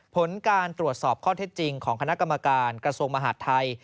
ผลการตรวจสอบข้อเท็จจริงของคณะกรรมการกระทรวงมหาดไทย